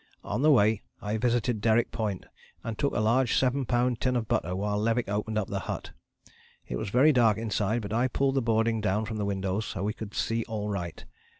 On the way I visited Derrick Point and took a large seven pound tin of butter while Levick opened up the hut. It was very dark inside but I pulled the boarding down from the windows so that we could see all right.